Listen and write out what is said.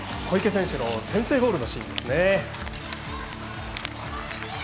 小池選手の先制ゴールのシーン。